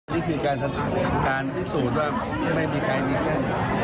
นี่คือการทราบการพิสูจน์จะไม่มีใครมีแข่ง